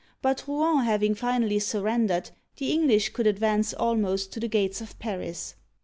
But, Rouen having finally surrendered, the English could advance almost to the gates of Paris.